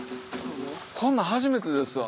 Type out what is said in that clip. こんなん初めてですわ。